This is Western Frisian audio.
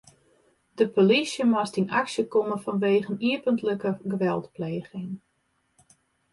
De polysje moast yn aksje komme fanwegen iepentlike geweldpleging.